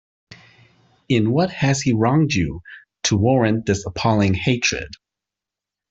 In what has he wronged you, to warrant this appalling hatred?